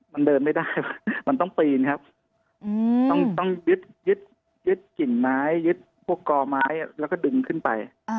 มันเดินไม่ได้มันต้องปีนครับต้องยึดกิ่งไม้ยึดพวกกอไม้แล้วก็ดึงขึ้นไป